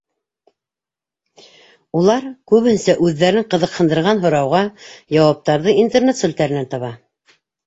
Улар күбеһенсә үҙҙәрен ҡыҙыҡһындырған һорауға яуаптарҙы Интернет селтәренән таба.